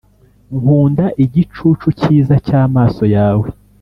nkunda igicucu cyiza cyamaso yawe